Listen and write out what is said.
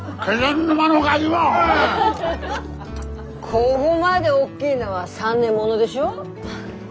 こごまで大きいのは３年ものでしょ？